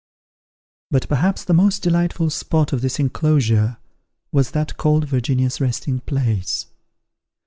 But perhaps the most delightful spot of this enclosure was that called Virginia's resting place.